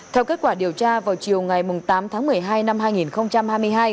theo kết quả điều tra vào chiều ngày tám tháng một mươi hai năm hai nghìn hai mươi hai